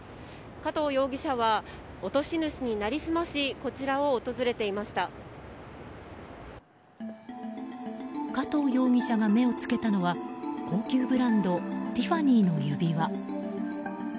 加藤容疑者は落とし主に成り済まし加藤容疑者が目を付けたのは高級ブランドティファニーの指輪。